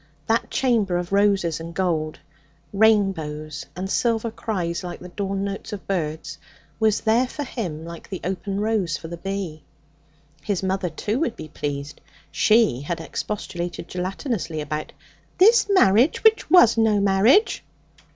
That chamber of roses and gold, rainbows and silver cries like the dawn notes of birds, was there for him like the open rose for the bee. His mother, too, would be pleased. She had expostulated gelatinously about 'this marriage which was no marriage.'